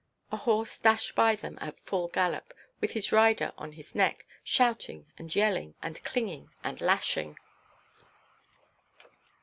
A horse dashed by them at full gallop, with his rider on his neck, shouting and yelling, and clinging and lashing.